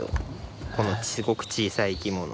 このすごく小さい生き物。